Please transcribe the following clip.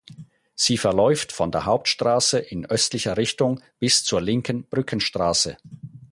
Sie verläuft von der Hauptstraße in östlicher Richtung bis zur Linken Brückenstraße.